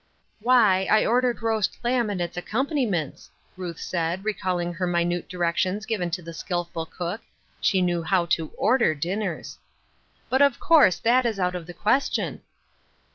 Why, I ordered roast lamb and its accompa niments," Ruth said, recalling her minute diiec tions given to the skillful cook (she knew how to order dinners,) " but, of ccirse, that is out of the question."